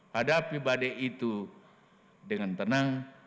hadapi badai itu dengan tenang